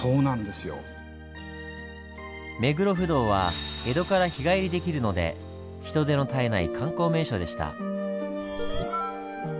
目黒不動は江戸から日帰りできるので人出の絶えない観光名所でした。